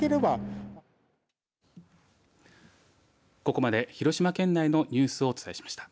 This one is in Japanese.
ここまで広島県内のニュースをお伝えしました。